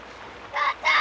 母ちゃん！